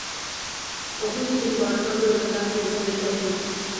কখন যে তিনি পড়াশুনা করিতেন, তাহা কেহ জানিতে পারিত না।